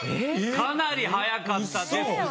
かなり速かったですが。